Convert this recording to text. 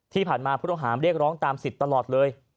ที่ผ่านมาผู้โทษหาว์เรียกร้องตามสิทธิ์ตลอดเลย